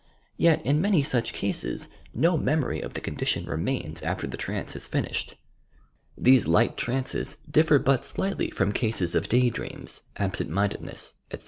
Yet, in many saeii cases, no memory of the condition remains after the trance is finished. These light trances differ but slightly from cases of day dreams, absent miadedness, etc.